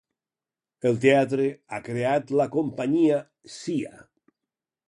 El teatre ha creat la companyia Cia.